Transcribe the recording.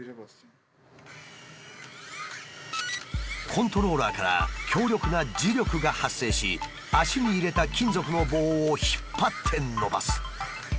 コントローラーから強力な磁力が発生し脚に入れた金属の棒を引っ張って伸ばす。